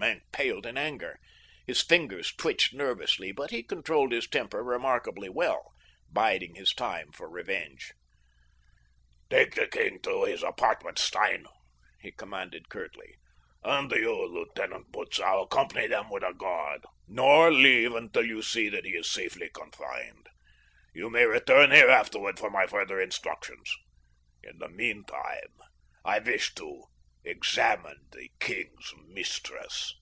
Maenck paled in anger. His fingers twitched nervously, but he controlled his temper remarkably well, biding his time for revenge. "Take the king to his apartments, Stein," he commanded curtly, "and you, Lieutenant Butzow, accompany them with a guard, nor leave until you see that he is safely confined. You may return here afterward for my further instructions. In the meantime I wish to examine the king's mistress."